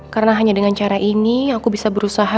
karena hanya dengan cara ini aku bisa berusaha